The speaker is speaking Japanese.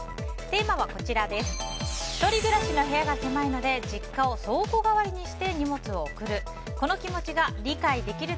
テーマは１人暮らしの部屋が狭いので実家を倉庫代わりにして荷物を送る。